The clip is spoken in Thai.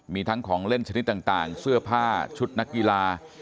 มีทั้งของเล่นชนิดต่างเสื้อผ้าชุดนักกีฬา